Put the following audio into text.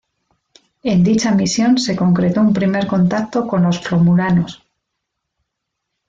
En dicha misión se concretó un primer contacto con los romulanos.